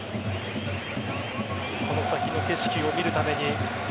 この先の景色を見るために。